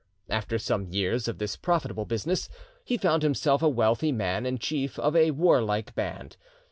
After some years of this profitable business, he found himself a wealthy man and chief of a warlike band.